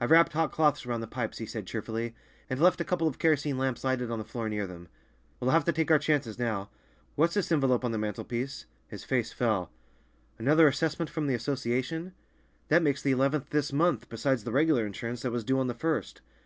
"I've wrapped hot cloths around the pipes," he said cheerfully, "and left a couple of kerosene lamps lighted on the floor near them. We'll have to take our chances now. What's this envelope on the mantelpiece?" His face fell. "Another assessment from the Association? That makes the eleventh this month, besides the regular insurance, that was due on the first."